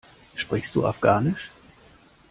Sprichst du Afghanisch?